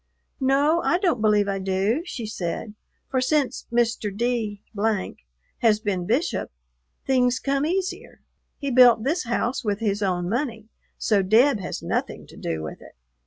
"No, I don't believe I do," she said, "for since Mr. D has been Bishop, things come easier. He built this house with his own money, so Deb has nothing to do with it."